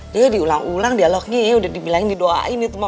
dia diulang ulang dialognya ya udah dibilangin didoain itu mah